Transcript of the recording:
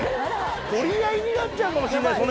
取り合いになっちゃうかもしれないです